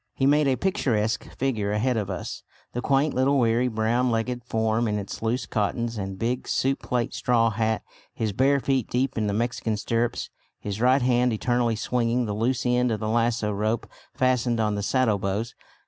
He made a picturesque figure ahead of us, the quaint little wiry brown legged form in its loose cottons and big soup plate straw hat, his bare feet deep in the Mexican stirrups, his right hand eternally swinging the loose end of the lassoo rope fastened on the saddlebows.